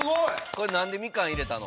これ何でみかん入れたの？